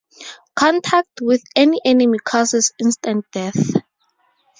Contact with any enemy causes instant death.